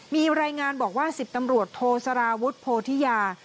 มีรายงานบอกว่า๑๐ตำรวจโทสารวุฒิโพธิยา